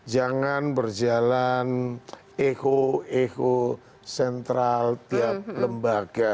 jangan berjalan echo echo sentral tiap lembaga